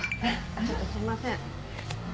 ちょっとすいません。